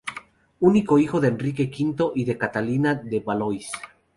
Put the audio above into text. Único hijo de Enrique V y de Catalina de Valois.